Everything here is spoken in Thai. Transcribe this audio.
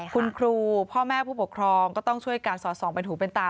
คุณครูพ่อแม่ผู้ปกครองก็ต้องช่วยการสอดส่องเป็นหูเป็นตา